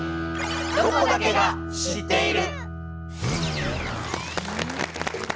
「ロコだけが知っている」。